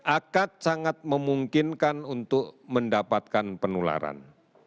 akan sangat memungkinkan untuk mendapatkan penularan